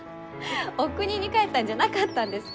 おくにに帰ったんじゃなかったんですか？